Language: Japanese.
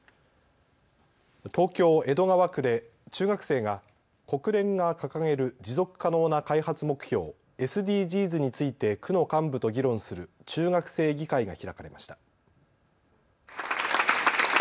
東京江戸川区で中学生が国連が掲げる持続可能な開発目標、ＳＤＧｓについて区の幹部と議論する中学生議会が開かれました。